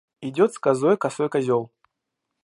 Идет с козой косой козел.